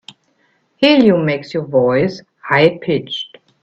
Helium makes your voice high pitched.